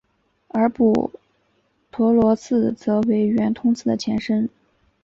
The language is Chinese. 而补陀罗寺即为圆通寺的前身。